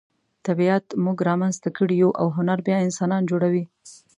طبیعت موږ را منځته کړي یو او هنر بیا انسانان جوړوي.